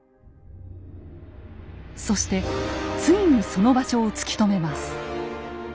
そしてついにその場所を突き止めます。